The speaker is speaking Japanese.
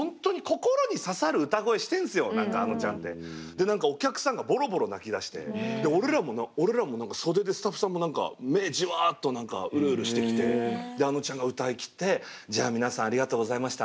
で何かお客さんがボロボロ泣きだして俺らも何か袖でスタッフさんも何か目じわっとウルウルしてきてであのちゃんが歌いきって「じゃあ皆さんありがとうございました。